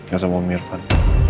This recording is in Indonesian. gak sama om irfan